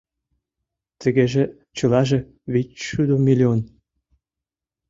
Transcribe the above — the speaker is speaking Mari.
Тугеже чылаже… вичшӱдӧ миллион…